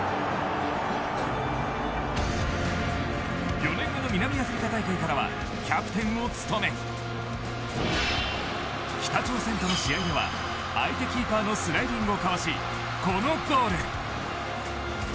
４年後の南アフリカ大会からはキャプテンを務め北朝鮮との試合では相手キーパーのスライディングをかわしこのゴール。